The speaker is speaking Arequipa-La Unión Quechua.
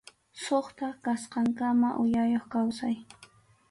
Suqta kasqankama uyayuq kawsay.